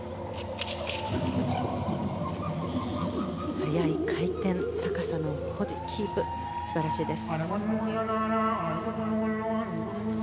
速い回転、高さの保持、キープ素晴らしいです。